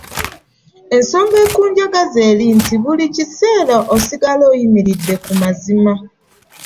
Ensonga ekunjagaza eri nti buli kiseera osigala oyimiridde ku mazima.